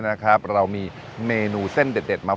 สวัสดีครับสวัสดีครับสวัสดีครับสวัสดีครับสวัสดีครับ